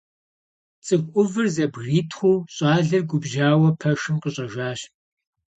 Цӏыху ӏувыр зэбгритхъуу, щӏалэр губжьауэ пэшым къыщӀэжащ.